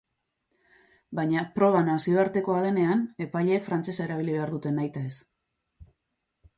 Baina, proba nazioartekoa denean, epaileek frantsesa erabili behar dute nahitaez.